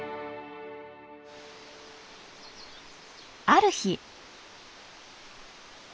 ある日。